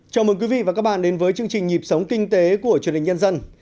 chào mừng quý vị và các bạn đến với chương trình nhịp sống kinh tế của truyền hình nhân dân